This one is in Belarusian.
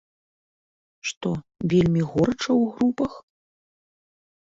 Што, вельмі горача ў групах?